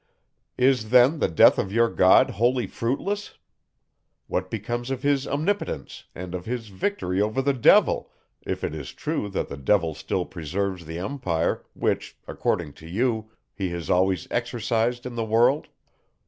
Is then the death of your God wholly fruitless? What becomes of his omnipotence and of his victory over the Devil, if it is true that the Devil still preserves the empire, which, according to you, he has always exercised in the world?